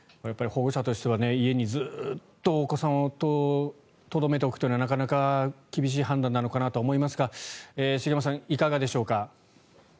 やっぱり保護者としては家にずっとお子さんをとどめておくというのはなかなか厳しい判断なのかなと思いますが茂松さん、いかがでしょうか。